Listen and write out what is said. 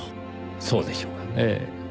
そうでしょうかねぇ。